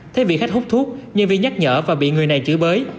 thế vị khách hút thuốc nhân viên nhắc nhở và bị người này chửi bới